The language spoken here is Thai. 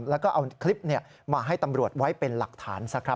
แล้วก็เอาคลิปมาให้ตำรวจไว้เป็นหลักฐานซะครับ